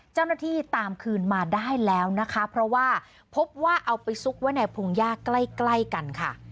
เจ้าหน้าที่ตามคืนมาได้แล้วนะคะเพราะว่าพบว่าเอาไปซุกไว้ในพงยากใกล้ใกล้กันค่ะ